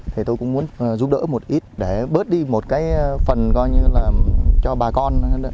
thì tôi cũng muốn giúp đỡ một ít để bớt đi một cái phần coi như là cho bà con